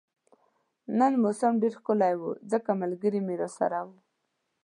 نن موسم ډیر ښکلی وو ځکه ملګري مې راسره وو